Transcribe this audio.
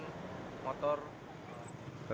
dan kita berhasil mengamankan sepeda motor